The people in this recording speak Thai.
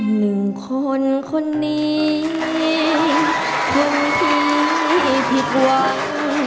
หนึ่งคนคนนี้คนที่ผิดหวัง